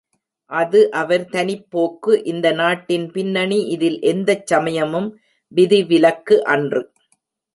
அது அவர் தனிப் போக்கு இந்த நாட்டின் பின்னணி இதில் எந்தச் சமயமும் விதி விலக்கு அன்று.